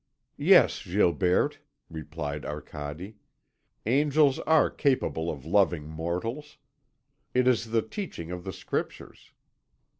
"Yes, Gilberte," replied Arcade, "Angels are capable of loving mortals. It is the teaching of the Scriptures.